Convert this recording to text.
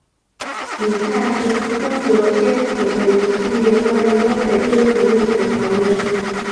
以下是中国签署的一系列关于东北归属问题的条约。